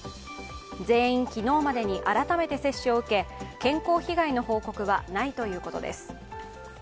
全員、昨日までに改めて接種を受け健康被害の報告はないということです。